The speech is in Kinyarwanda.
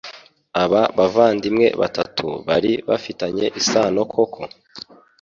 Aba bavandimwe batatu bari bafitanye isano koko?